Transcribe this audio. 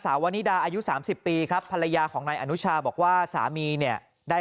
วนิดาอายุ๓๐ปีครับภรรยาของนายอนุชาบอกว่าสามีเนี่ยได้